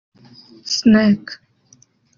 snake